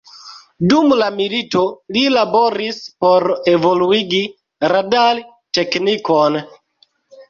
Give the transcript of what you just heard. Dum la milito, li laboris por evoluigi radar-teknikon.